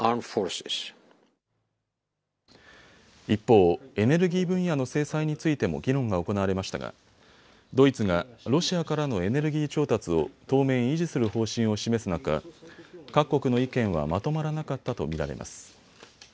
一方、エネルギー分野の制裁についても議論が行われましたがドイツがロシアからのエネルギー調達を当面維持する方針を示す中、各国の意見はまとまらなかったと見られます。